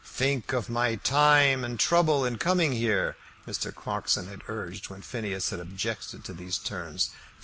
"Think of my time and trouble in coming here," Mr. Clarkson had urged when Phineas had objected to these terms.